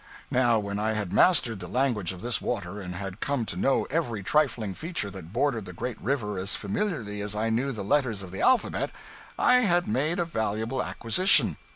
Now when I had mastered the language of this water and had come to know every trifling feature that bordered the great river as familiarly as I knew the letters of the alphabet, I had made a valuable acquisition.